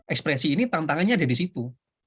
ekspresi ini tantangannya ada di situ